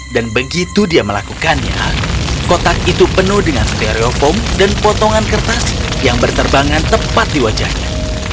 begitu dia melakukannya kotak itu penuh dengan stereofoam dan potongan kertas yang berterbangan tepat di wajahnya